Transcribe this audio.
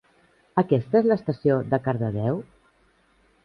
Aquesta és l'estació de Cardedeu?